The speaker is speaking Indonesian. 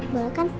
mau kan mah